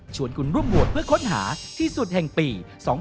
คุณร่วมโหวตเพื่อค้นหาที่สุดแห่งปี๒๕๖